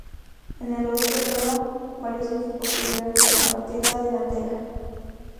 En el Oeste estaba varios equipos tuvieron que compartir la delantera.